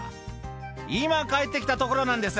「今帰って来たところなんです